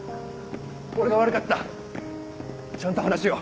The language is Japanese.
俺が悪かったちゃんと話を。